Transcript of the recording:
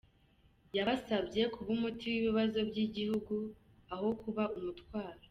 Yabasabye kuba umuti w’ibibazo by’igihugu aho kuba umutwaro.